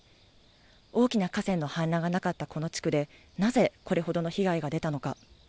大きな河川の氾濫がなかったこの地区で、なぜこれほどの被害が出たのか。